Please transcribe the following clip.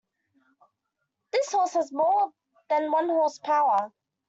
This horse has more than one horse power.